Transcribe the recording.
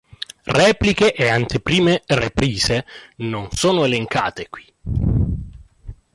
Repliche e anteprime reprise non sono elencate qui.